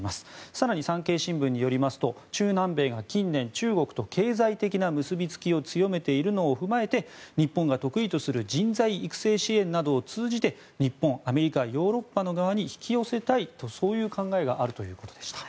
更に産経新聞によると中南米が近年、中国と経済的な結びつきを強めているのを踏まえて日本が得意とする人材育成支援などを通じて日本、アメリカ、ヨーロッパ側に引き寄せたいというそういう考えがあるということでした。